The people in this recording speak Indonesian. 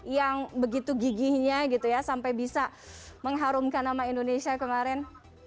yang begitu gigihnya gitu ya sampai bisa mengharumkan nama indonesia kemarin